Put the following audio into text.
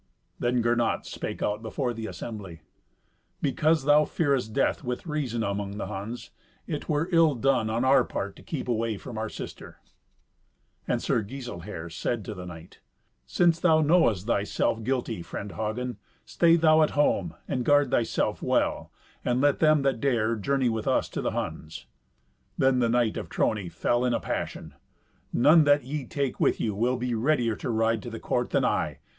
Then Gernot spake out before the assembly, "Because thou fearest death with reason among the Huns, it were ill done on our part to keep away from our sister." And Sir Giselher said to the knight, "Since thou knowest thyself guilty, friend Hagen, stay thou at home, and guard thyself well, and let them that dare, journey with us to the Huns." Then the knight of Trony fell into a passion. "None that ye take with you will be readier to ride to the court than I.